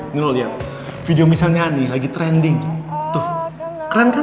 eh rin ini lu liat video michelle nyanyi lagi trending tuh keren kan